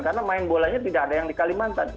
karena main bolanya tidak ada yang di kalimantan